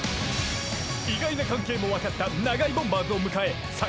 ［意外な関係も分かった永井ボンバーズを迎え］